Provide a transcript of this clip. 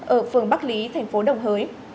ở phường bắc lý thành phố đồng hới